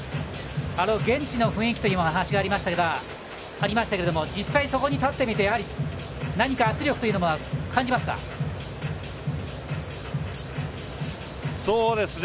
現地の雰囲気というお話がありましたが実際、そこに立ってみて何か圧力を感じますか？